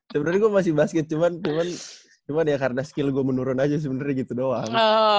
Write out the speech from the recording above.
sebenarnya gue masih basket cuman cuma ya karena skill gue menurun aja sebenernya gitu doang